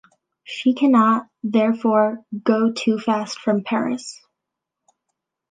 She cannot, therefore, go too fast from Paris.